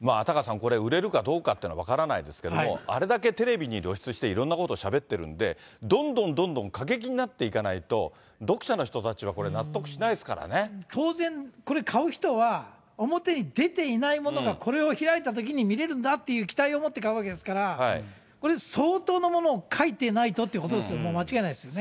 これ、売れるかどうかというのは分からないですけど、あれだけテレビに露出していろんなことをしゃべってるんで、どんどんどんどん過激になっていかないと、読者の人たちはこれ、当然、これ買う人は、表に出ていないものがこれを開いたときに見れるんだっていう期待を持って買うわけですから、これ、相当なものを書いてないとってことですよね、間違いないですよね。